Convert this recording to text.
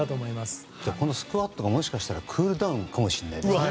このスクワットがもしかしたらクールダウンかもしれないですね